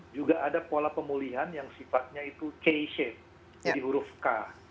juga ada pola pemulihan yang sifatnya itu k shape di huruf k